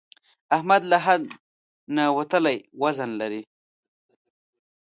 احمد له حد نه وتلی وزن لري.